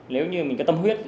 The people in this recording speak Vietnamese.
nếu như mình có tâm huyết